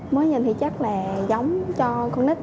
mới nhìn thì chắc là giống cho con nít